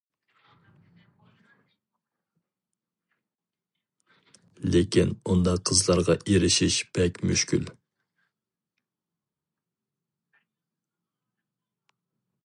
لېكىن ئۇنداق قىزلارغا ئېرىشىش بەك مۈشكۈل.